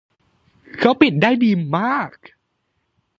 เขาปิดได้ดีมาก